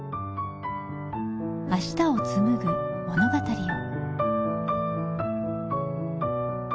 明日をつむぐ物語を。